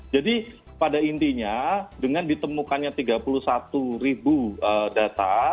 jadi pada intinya dengan ditemukannya tiga puluh satu data